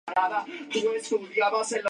Su cuerpo descansa en el cementerio de Ronco.